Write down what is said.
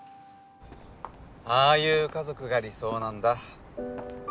ああいう家族が理想なんだ。